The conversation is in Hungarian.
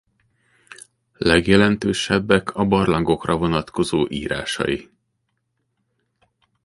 Legjelentősebbek a barlangokra vonatkozó írásai.